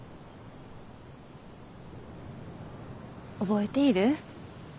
覚えている？